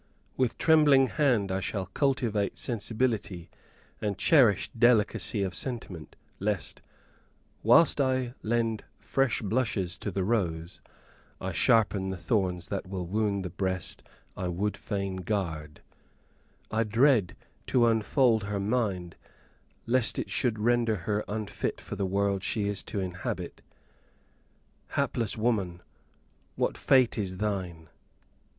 With trembling hand I shall cultivate sensibility and cherish delicacy of sentiment, lest, whilst I lend fresh blushes to the rose, I sharpen the thorns that will wound the breast I would fain guard; I dread to unfold her mind, lest it should render her unfit for the world she is to inhabit. Hapless woman! what a fate is thine!